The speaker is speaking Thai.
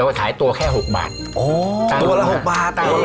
เราก็ขายตัวแค่หกบาทตัวละหกบาท